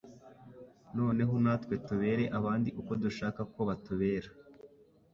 noneho natwe tubere abandi uko dushaka ko batubera.